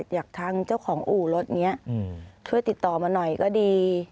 ทางเจ้าของอู่รถนี้ช่วยติดต่อมาหน่อยก็ดี